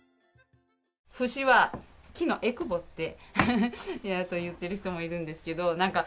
節は木のえくぼって言ってる人もいるんですけど。